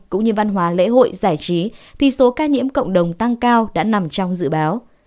cũng như văn hóa lễ hội giải trí thì số ca nhiễm cộng đồng tăng cao đã nằm trong dự báo